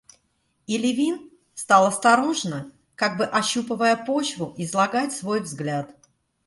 И Левин стал осторожно, как бы ощупывая почву, излагать свой взгляд.